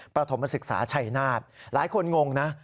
ประถมศึกษาชัยนาฏหลายคนงงนะ